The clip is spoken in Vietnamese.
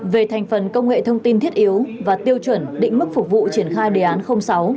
về thành phần công nghệ thông tin thiết yếu và tiêu chuẩn định mức phục vụ triển khai đề án sáu